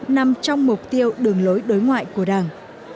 nằm trong mục tiêu đường lối đối ngoại của đảng